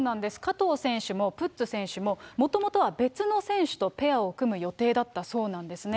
加藤選手もプッツ選手も、もともとは別の選手とペアを組む予定だったそうなんですね。